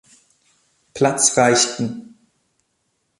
Platz reichten.